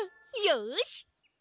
よし。